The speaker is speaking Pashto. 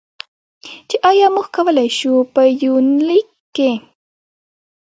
چې ایا موږ کولی شو، په یونلیک کې.